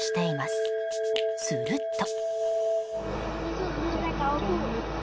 すると。